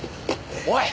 おい。